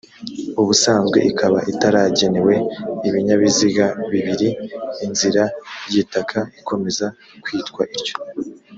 ubusanzwe ikaba itaragenewe ibinyabiziga bibiri inzira y igitaka ikomeza kwitwa ityo